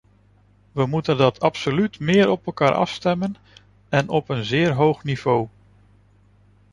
We moeten dat absoluut meer op elkaar afstemmen en op een zeer hoog niveau.